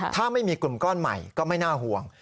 ถ้าไม่มีกลุ่มก้อนใหม่ก็ไม่น่าห่วง